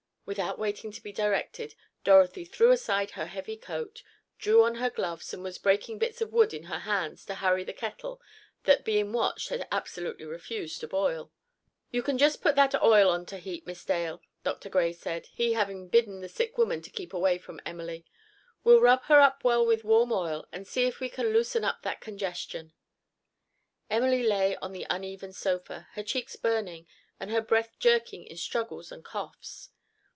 Without waiting to be directed, Dorothy threw aside her heavy coat, drew off her gloves, and was breaking bits of wood in her hands, to hurry the kettle that, being watched, had absolutely refused to boil. "You can just put that oil on to heat, Miss Dale," Dr. Gray said, he having bidden the sick woman to keep away from Emily. "We'll rub her up well with warm oil, and see if we can loosen up that congestion." Emily lay on the uneven sofa, her cheeks burning, and her breath jerking in struggles and coughs.